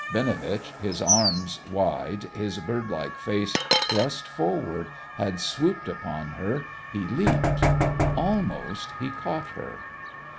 Binovitch, his arms wide, his bird like face thrust forward, had swooped upon her. He leaped. Almost he caught her.